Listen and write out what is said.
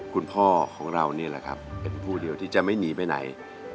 คุณพ่อของเรานี่แหละครับเป็นผู้เดียวที่จะไม่หนีไปไหน